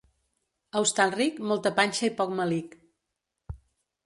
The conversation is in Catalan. A Hostalric, molta panxa i poc melic.